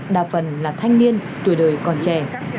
đa phần là thanh niên tuổi đời còn trẻ